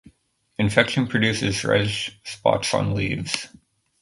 Infection produces reddish spots on leaves.